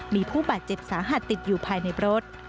มีผู้บาดเจ็บสาหัสติดอยู่ภายในรถ